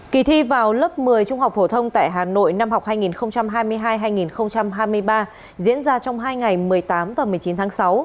kỳ thi vào lớp một mươi trung học phổ thông tại hà nội năm học hai nghìn hai mươi hai hai nghìn hai mươi ba diễn ra trong hai ngày một mươi tám và một mươi chín tháng sáu